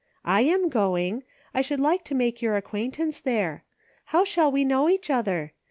I am going; I should like to make your ac quaintance there. How shall we know each other